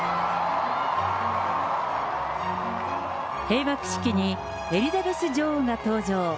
閉幕式にエリザベス女王が登場。